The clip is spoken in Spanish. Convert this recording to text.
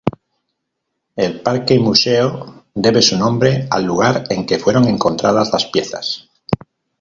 El parque-museo debe su nombre al lugar en que fueron encontradas las piezas.